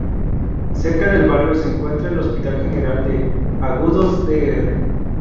Cerca del barrio se encuentra el Hospital General de Agudos “Dr.